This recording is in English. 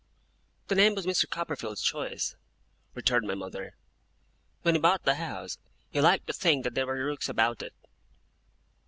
'The name was Mr. Copperfield's choice,' returned my mother. 'When he bought the house, he liked to think that there were rooks about it.